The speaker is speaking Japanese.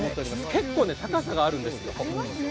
結構、高さがあるんですよ。